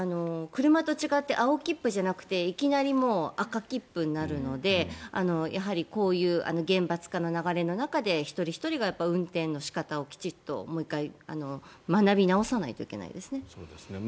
車と違って青切符じゃなくていきなり赤切符になるのでやはりこういう厳罰化の流れの中で一人ひとりが運転の仕方をもう１回、学び直せないといけないですね。